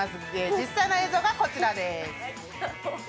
実際の映像がこちらです。